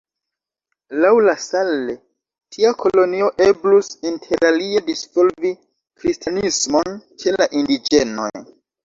Laŭ La Salle, tia kolonio eblus interalie disvolvi kristanismon ĉe la indiĝenoj.